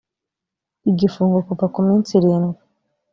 igifungo kuva ku minsi irindwi